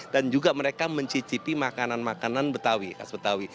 dan juga mereka mencicipi makanan makanan betawi